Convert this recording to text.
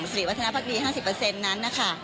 สิริวัฒนภักดี๕๐นั้นนะคะ